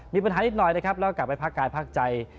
มีปัญหานิดหน่อยนะครับแล้วก็กลับไปพักกายภาคใจ